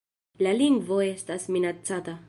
La lingvo estas minacata.